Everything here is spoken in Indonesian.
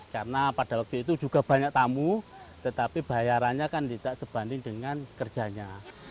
karena pada waktu itu juga banyak tamu tetapi bayarannya kan tidak sebanding dengan kerjanya